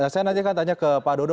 saya nanti akan tanya ke pak dodo